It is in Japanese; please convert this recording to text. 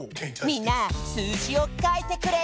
みんなすうじをかいてくれ！